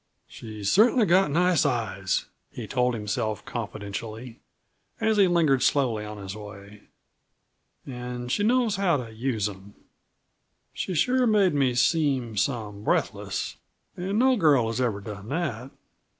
"She's cert'nly got nice eyes," he told himself confidentially, as he lingered slowly on his way; "an' she knows how to use them. She sure made me seem some breathless. An' no girl has ever done that.